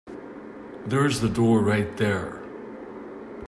There's the door right there.